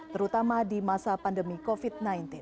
terutama di masa pandemi covid sembilan belas